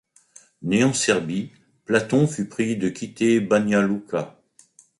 Né en Serbie, Platon fut prié de quitter Banja Luka.